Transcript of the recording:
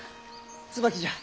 椿じゃ。